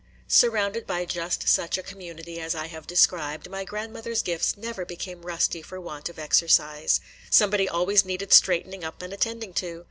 Surrounded by just such a community as I have described, my grandmother's gifts never became rusty for want of exercise. Somebody always needed straightening up and attending to.